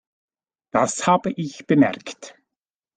Das habe ich bemerkt.